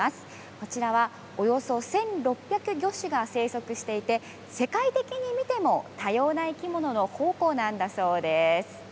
こちらは、およそ１６００魚種が生息していて世界的に見ても、多様な生き物の宝庫なんだそうです。